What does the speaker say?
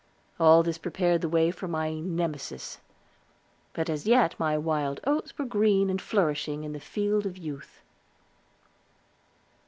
All this prepared the way for my Nemesis. But as yet my wild oats were green and flourishing in the field of youth.